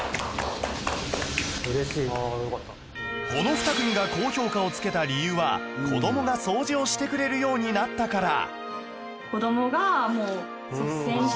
この２組が高評価をつけた理由は子供が掃除をしてくれるようになったから